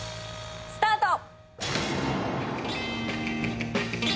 スタート！